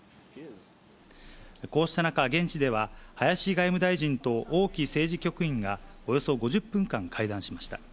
こうした中、現地では林外務大臣と王毅政治局員が、およそ５０分間、会談しました。